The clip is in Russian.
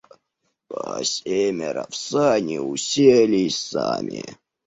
По семеро в сани уселись сами.